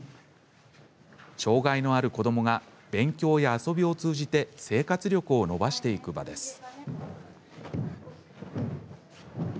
障害のある子どもが勉強や遊びを通じて生活力を伸ばしていく場です。